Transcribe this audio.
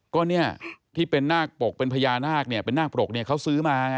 ก็เนี่ยที่เป็นนาคปกเป็นพญานาคเนี่ยเป็นนาคปรกเนี่ยเขาซื้อมาไง